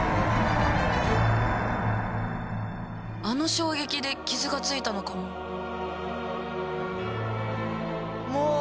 あの衝撃で傷がついたのかも。